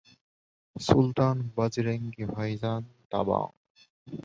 Sultan, Bajrangi Bhaijaan, Dabangg.